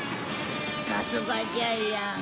さすがジャイアン。